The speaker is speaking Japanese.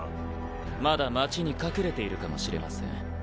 まだ街に隠れているかもしれません。